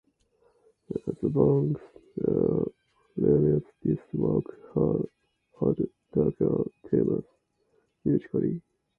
The band claimed this work had darker themes musically.